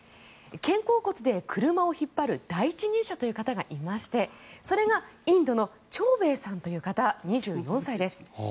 肩甲骨で車を引っ張る第一人者という方がいましてそれがインドのチョウベイさんという方、２４歳です。